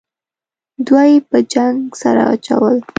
دوه یې په جنگ سره اچول.